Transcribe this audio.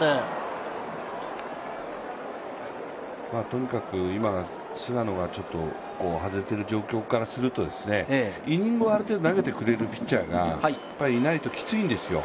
とにかく今、菅野がちょっと外れている状況からすると、イニングはある程度投げてくれるピッチャーがいないときついんですよ。